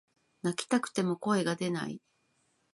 泣きたくても声が出ない